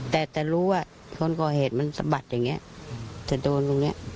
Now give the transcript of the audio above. แต่แต่รู้ว่าคนก่อเหตุมันสะบัดอย่างนี้แต่โดนตรงนี้